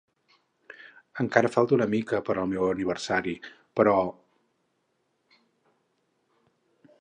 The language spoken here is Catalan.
Encara falta una mica, per al meu aniversari, però...